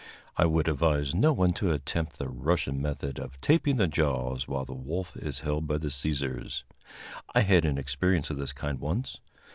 I would advise no one to attempt the Russian method of taping the jaws while the wolf is held by the seizers. I had an experience of this kind once.